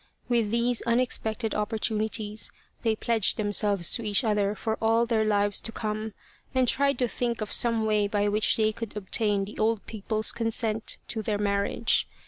With these unexpected opportunities they pledged themselves to each other for all their lives to come, and tried to think of some way by which they could obtain the old people's consent to their marriage.